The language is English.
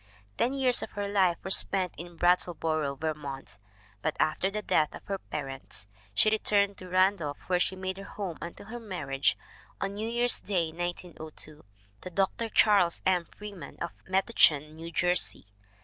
Ten years of her life were spent in Brattleboro, Vermont, but after the death of her parents she returned to Ran dolph wtyere she made her home until her marriage on New Year's Day, 1902, to Dr. Charles M. Freeman of Metuchen, New Jersey.